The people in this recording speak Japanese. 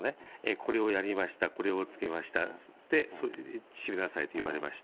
これをやりました、これをつけました、そして、それで閉めなさいと言われました。